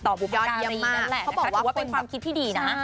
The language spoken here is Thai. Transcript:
บุพการีนั่นแหละเขาบอกว่าถือว่าเป็นความคิดที่ดีนะ